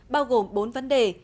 bao gồm bốn vấn đề